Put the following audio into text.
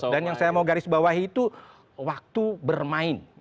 dan yang saya mau garis bawahi itu waktu bermain